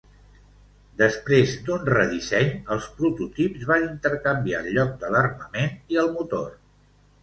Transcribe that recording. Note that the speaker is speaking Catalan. Després d'un redisseny els prototips van intercanviar el lloc de l'armament i el motor.